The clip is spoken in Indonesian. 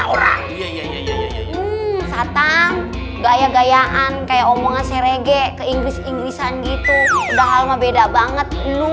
orang orang gaya gayaan kayak omongan serege ke inggris inggrisan gitu udah halma beda banget lu